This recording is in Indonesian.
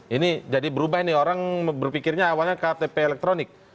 ini jadi berubah nih orang berpikirnya awalnya ktp elektronik